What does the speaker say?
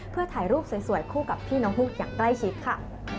เพื่อถ่ายรูปสวยคู่กับพี่น้องฮูกอย่างใกล้ชิดค่ะ